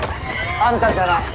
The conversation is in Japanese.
あんたじゃない。